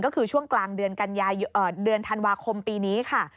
ก็คือช่วงกลางเดือนธันวาคมปีนี้ค่ะ